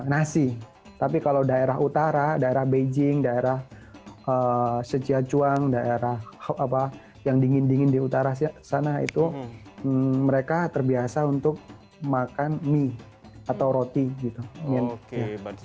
nasi tapi kalau daerah utara daerah beijing daerah seciacuang daerah yang dingin dingin di utara sana itu mereka terbiasa untuk makan mie atau roti gitu